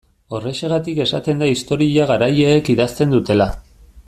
Horrexegatik esaten da historia garaileek idazten dutela.